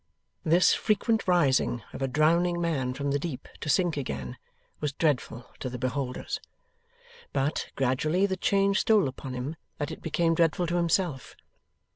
This frequent rising of a drowning man from the deep, to sink again, was dreadful to the beholders. But, gradually the change stole upon him that it became dreadful to himself.